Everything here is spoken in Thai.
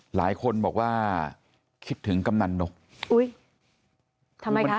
หลายคนบอกว่าคิดถึงกำนันนกอุ้ยทำไมคะ